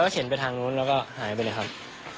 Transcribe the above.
เข็นไปทางนู้นแล้วก็หายไปเลยครับ